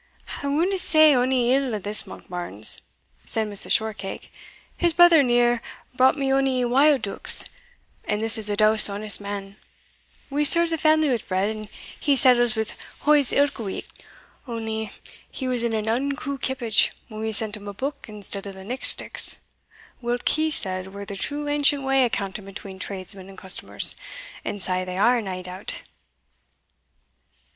"I winna say ony ill o'this Monkbarns," said Mrs. Shortcake; "his brother neer brought me ony wild deukes, and this is a douce honest man; we serve the family wi' bread, and he settles wi' huz ilka week only he was in an unco kippage when we sent him a book instead o' the nick sticks,* whilk, he said, were the true ancient way o' counting between tradesmen and customers; and sae they are, nae doubt." * Note E. Nick sticks.